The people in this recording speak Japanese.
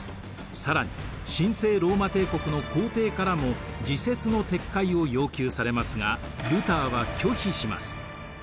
更に神聖ローマ帝国の皇帝からも自説の撤回を要求されますがルターは拒否します。